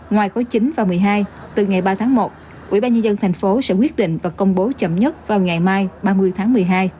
ngoài khối chín và một mươi hai từ ngày ba tháng một ubnd tp sẽ quyết định và công bố chậm nhất vào ngày mai ba mươi tháng một mươi hai